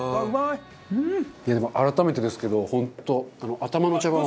いやでも改めてですけど本当頭の茶番